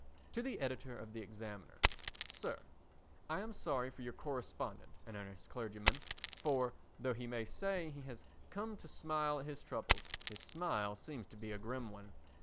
To the Editor of the Examiner. Sir: I am sorry for your correspondent "An Earnest Clergyman" for, though he may say he has "come to smile at his troubles," his smile seems to be a grim one.